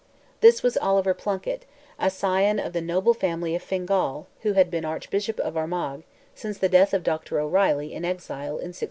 This was Oliver Plunkett, a scion of the noble family of Fingal, who had been Archbishop of Armagh, since the death of Dr. O'Reilly, in exile, in 1669.